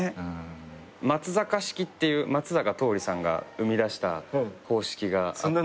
松坂式っていう松坂桃李さんが生み出した方式があって。